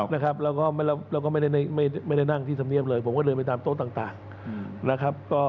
และก็ไม่ได้นั่งที่สำเนียมเลยผมก็เดินไปตามโต๊ะต่าง